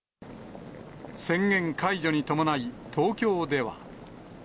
宣言解除に伴い、東京では。